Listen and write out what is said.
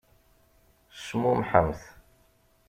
Cmumḥemt!